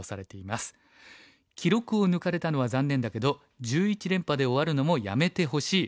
「記録を抜かれたのは残念だけど１１連覇で終わるのもやめてほしい。